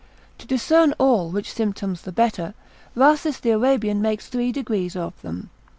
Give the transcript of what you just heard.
To discern all which symptoms the better, Rhasis the Arabian makes three degrees of them.